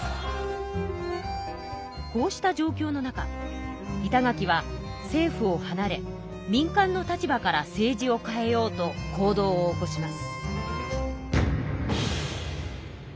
こうした状況の中板垣は政府をはなれ民間の立場から政治を変えようと行動を起こします。